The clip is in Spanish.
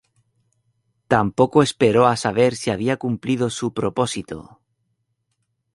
Tampoco esperó a saber si había cumplido su propósito.